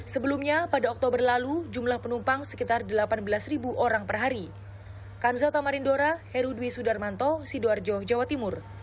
sebelumnya pada oktober lalu jumlah penumpang sekitar delapan belas orang per hari